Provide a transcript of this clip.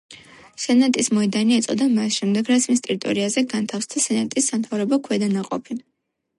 სენატის მოედანი ეწოდა მას შემდეგ, რაც მის ტერიტორიაზე განთავსდა სენატის სამთავრობო ქვედანაყოფი.